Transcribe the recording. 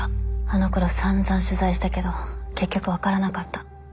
あのころさんざん取材したけど結局分からなかった。